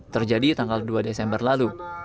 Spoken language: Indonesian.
terjadi tanggal dua desember lalu